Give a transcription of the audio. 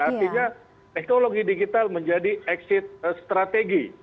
artinya ekologi digital menjadi exit strategi